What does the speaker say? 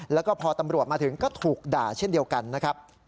แล้วก็พอตำรวจมาถึงก็ถูกด่าเช่นเดียวกันนะครับ